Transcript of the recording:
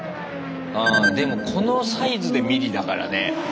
でもこのサイズでミリだからね。